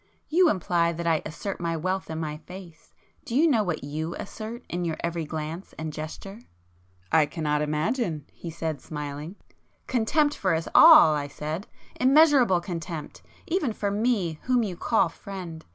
You imply that I assert my wealth in my face; do you know what you assert in your every glance and gesture?" "I cannot imagine!" he said smiling. "Contempt for us all!" I said—"Immeasurable contempt,—even for me, whom you call friend.